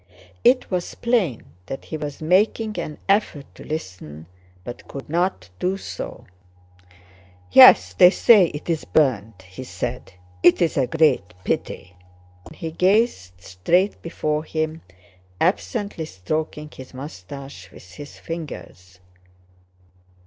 It was plain that he was making an effort to listen, but could not do so. "Yes, they say it's burned," he said. "It's a great pity," and he gazed straight before him, absently stroking his mustache with his fingers.